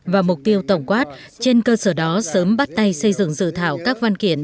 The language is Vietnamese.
và mục tiêu tổng quát trên cơ sở đó sớm bắt tay xây dựng dự thảo các văn kiện